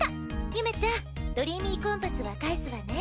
ゆめちゃんドリーミーコンパスは返すわね。